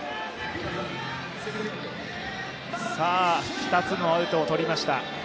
２つのアウトを取りました。